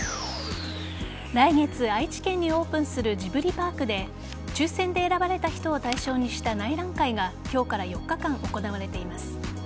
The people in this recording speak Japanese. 来月、愛知県にオープンするジブリパークで抽選で選ばれた人を対象にした内覧会が今日から４日間行われています。